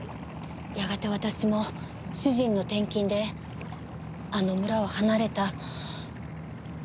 やがて私も主人の転勤であの村を離れた。